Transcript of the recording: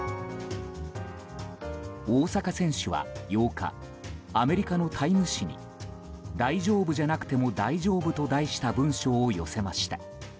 大坂選手は８日アメリカの「タイム」誌に「大丈夫じゃなくても大丈夫」と題した文章を寄せました。